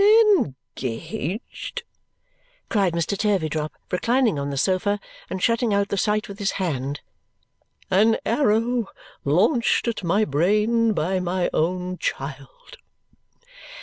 "Engaged!" cried Mr. Turveydrop, reclining on the sofa and shutting out the sight with his hand. "An arrow launched at my brain by my own child!"